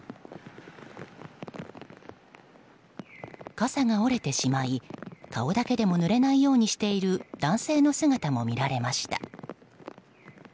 傘が折れてしまい、顔だけでもぬれないようにしている男性の姿も見られました。